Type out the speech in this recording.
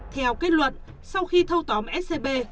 theo kết luận sau khi thâu tóm scb